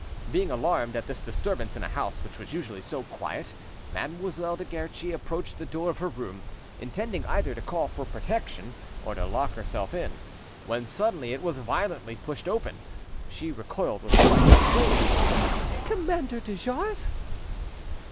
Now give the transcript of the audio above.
Being alarmed at this disturbance in a house which was usually so quiet, Mademoiselle de Guerchi approached the door of her room, intending either to call for protection or to lock herself in, when suddenly it was violently pushed open. She recoiled with fright, exclaiming— "Commander de Jars!"